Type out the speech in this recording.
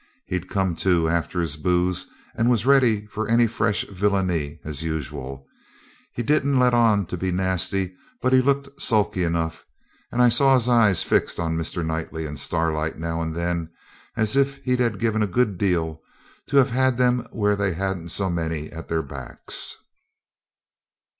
He'd come to, after his booze, and was ready for any fresh villainy, as usual. He didn't let on to be nasty, but he looked sulky enough, and I saw his eye fixed on Mr. Knightley and Starlight now and then as if he'd have given a good deal to have had them where they hadn't so many at their backs.